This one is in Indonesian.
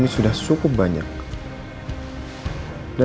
nanti gua jadi anak anak di rumah